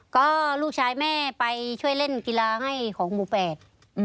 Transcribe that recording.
ก็ลูกชายแม่ไปช่วยเล่นกีฬาให้ของหมู่แปด